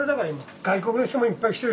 外国の人もいっぱい来てるしね。